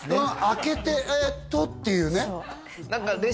開けて「えっと」っていうね